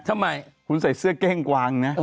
ทำไมคุณใส่เสื้อเก้งกวางนะ